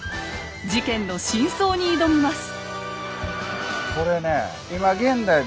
事件の真相に挑みます。